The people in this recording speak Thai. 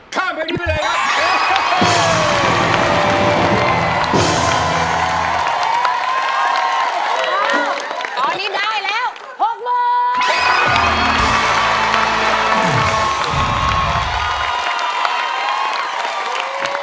ข้ามเพลงนี้ไปเลยครับ